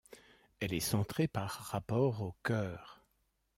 Elle est centrée par rapport au chœur.